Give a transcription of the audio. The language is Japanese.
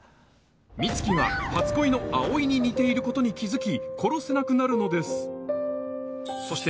美月が初恋の葵に似ていることに気づき殺せなくなるのですそして